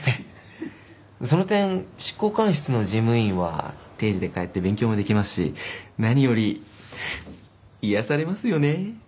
その点執行官室の事務員は定時で帰って勉強もできますし何より癒やされますよねえ。